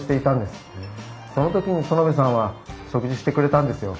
その時に薗部さんは食事してくれたんですよ。